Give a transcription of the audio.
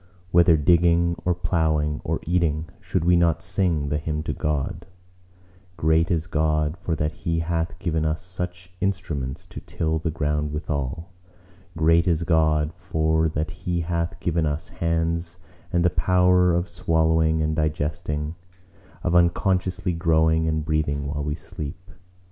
Whether digging or ploughing or eating, should we not sing the hymn to God:— Great is God, for that He hath given us such instruments to till the ground withal: Great is God, for that He hath given us hands and the power of swallowing and digesting; of unconsciously growing and breathing while we sleep!